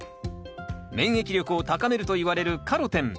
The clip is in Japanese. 免疫力を高めるといわれるカロテン。